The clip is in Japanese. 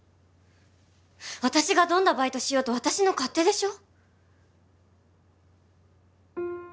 私がどんなバイトしようと私の勝手でしょ？